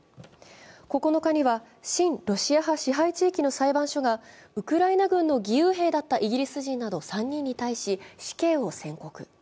９日には親ロシア派支配地域の裁判所がウクライナ軍の義勇兵だったイギリス人など３人に対し死刑を宣告。